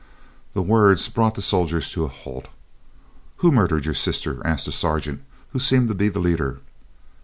The words brought the soldiers to a halt. "Who murdered your sister?" asked a sergeant who seemed to be the leader.